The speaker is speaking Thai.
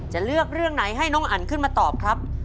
จะเลือกเรื่องไหนให้น้องอันขึ้นมาตอบครับ